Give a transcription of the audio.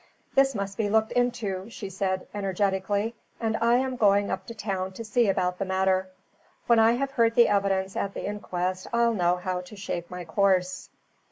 "This must be looked into," she said energetically, "and I am going up to town to see about the matter. When I have heard the evidence at the inquest I'll know how to shape my course."